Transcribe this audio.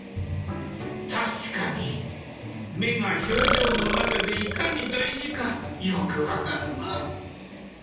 確かに目が表情の中でいかに大事かよく分かるな。